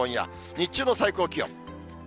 日中の最高気温。